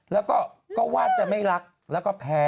แล้วก็ว่าจะไม่รักแล้วก็แพ้